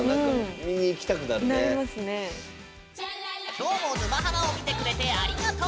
きょうも「沼ハマ」を見てくれてありがとう！